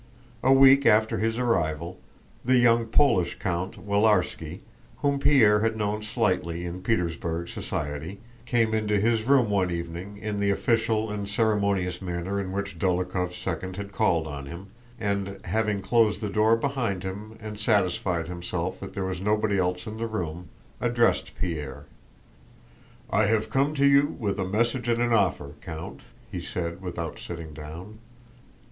A week after his arrival, the young Polish count, Willarski, whom Pierre had known slightly in Petersburg society, came into his room one evening in the official and ceremonious manner in which Dólokhov's second had called on him, and, having closed the door behind him and satisfied himself that there was nobody else in the room, addressed Pierre. "I have come to you with a message and an offer, Count," he said without sitting down.